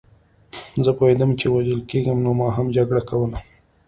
زه پوهېدم چې وژل کېږم نو ما هم جګړه کوله